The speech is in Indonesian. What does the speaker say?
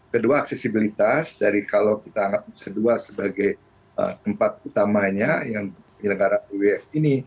kedua aksesibilitas dari kalau kita anggap kedua sebagai tempat utamanya yang di negara wwf ini